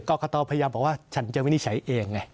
กรกตพยายามบอกว่าฉันจะวินิจฉัยเองไง